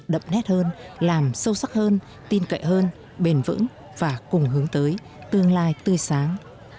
đậm nét hơn làm sâu sắc hơn tin cậy hơn bền vững và cùng hướng tới tương lai tươi sáng